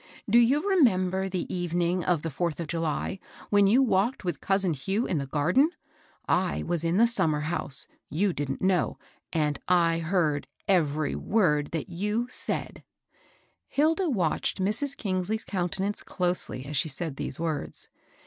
Do you r^nember the evening of the fourth of July, when you walked with cousin Hugh in the garden? I was in the summer house, — you didn't know, — and I heard every word that you said:' Hilda watched Mrs. Eangsley's countenance closely, as she said these words.